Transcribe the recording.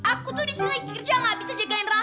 aku tuh di sini lagi kerja enggak bisa jagain raka